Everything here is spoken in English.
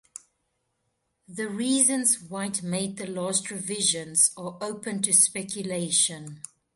The reasons White made the last revisions are open to speculation.